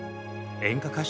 演歌歌手？